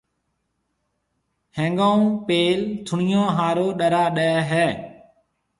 ھيَََنگون ھون پيل ٿوڻيون ھارو ڏرا ڏَي ھيََََ